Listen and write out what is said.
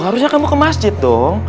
harusnya kamu ke masjid dong